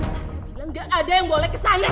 saya bilang gak ada yang boleh kesana